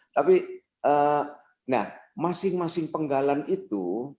tapi nah masing masing penggalan itu